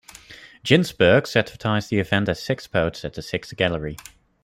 Ginsberg advertised the event as "Six Poets at the Six Gallery".